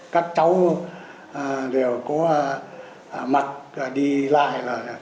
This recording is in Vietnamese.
các cháu đều có mặc đi lại là